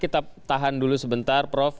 kita tahan dulu sebentar prof